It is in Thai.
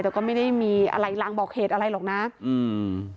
แต่ก็ไม่ได้มีอะไรลางบอกเหตุอะไรหรอกนะอืม